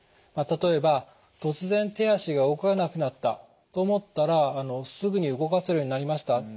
例えば突然手脚が動かなくなったと思ったらすぐに動かせるようになりました。